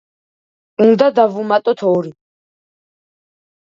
უნდა დავუმატოთ ორი.